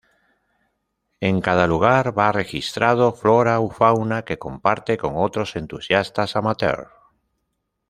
En cada lugar va registrado flora u fauna, que comparte con otros entusiastas amateurs.